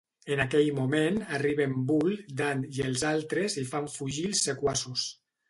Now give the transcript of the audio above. En aquell moment arriben Bull, Dan i els altres i fan fugir els sequaços.